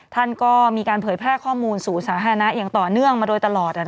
ท่านก็มีการเผยแพร่ข้อมูลสู่สาธารณะอย่างต่อเนื่องมาโดยตลอด